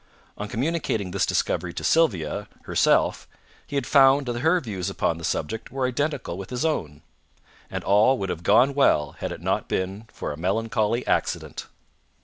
On communicating this discovery to Sylvia herself he had found that her views upon the subject were identical with his own; and all would have gone well had it not been for a melancholy accident.